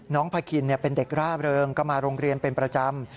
พาคินเป็นเด็กร่าเริงก็มาโรงเรียนเป็นประจำ